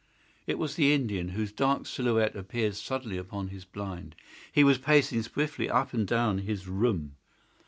It was the Indian, whose dark silhouette appeared suddenly upon his blind. He was pacing swiftly up and down his room.